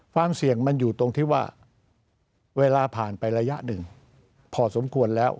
ความเสี่ยงมันอยู่ตรงที่ว่าเวลาผ่านไประยะหนึ่งพอสมควรแล้ว